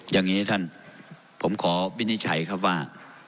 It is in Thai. อย่างนี้ท่านผมขอวินิจฉัยครับว่า